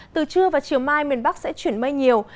từ trưa và chiều mai miền bắc sẽ chuyển mây nhiều